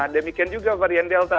demikian juga varian delta